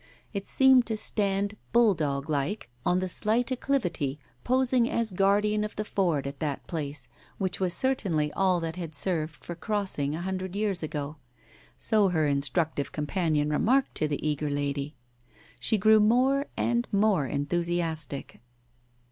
It seemed to stand, bull dog like, on the slight acclivity, posing as guardian of the ford at that place, which was certainly all that had served for cross *57 Digitized by Google 158 TALES OF THE" UNEASY ing a hundred years ago. So her instructive companion remarked to the eager lady. She grew more and more enthusiastic.